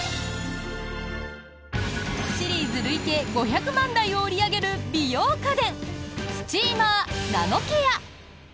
シリーズ累計５００万台を売り上げる美容家電スチーマーナノケア。